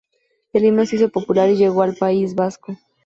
El himno se hizo popular y llegó al País Vasco.